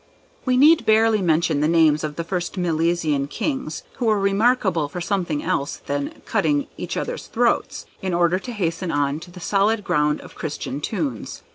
We need barely mention the names of the first Milesian kings, who were remarkable for something else than cutting each other's throats, in order to hasten on to the solid ground of Christian tunes.